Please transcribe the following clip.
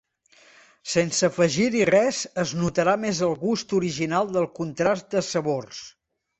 Sense afegir-hi res es notarà més el gust original del contrast de sabors.